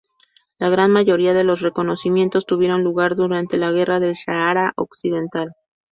La gran mayoría de los reconocimientos tuvieron lugar durante la Guerra del Sahara Occidental.